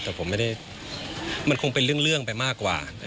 แต่ผมไม่ได้มันคงเป็นเรื่องไปมากกว่า